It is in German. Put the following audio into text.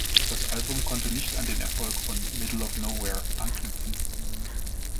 Das Album konnte nicht an den Erfolg von "Middle of Nowhere" anknüpfen.